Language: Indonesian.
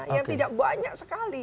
yang tidak banyak sekali